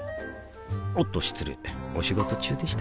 おっと失礼お仕事中でしたか